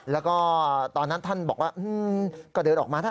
แล้วก็ตอนนั้นท่านบอกว่าก็เดินออกมานะ